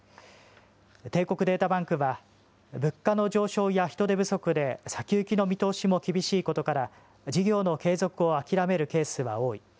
帝国データバンクは、物価の上昇や人手不足で先行きの見通しも厳しいことから、事業の継続を諦めるケースは多い。